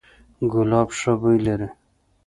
ګلاب ښه بوی لري